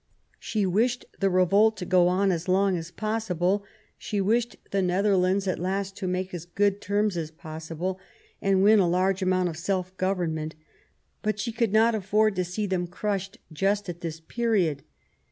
She wished the revolt to go on as long as possible ; she wished the Nether THE CRISIS. . 217 lands at last to make as good terms as possible, and win a large amount of self government. But she could not afford to see them crushed just at this period.